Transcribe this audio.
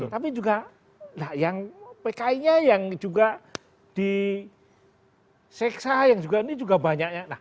tapi juga yang pki nya yang juga diseksa yang juga ini juga banyaknya